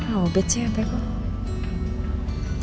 wah obat sih sampe kok